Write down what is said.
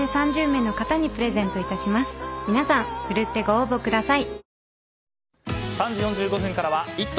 皆さん奮ってご応募ください。